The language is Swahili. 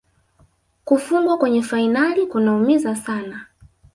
Kufungwa kwenye fainali kunaumiza sana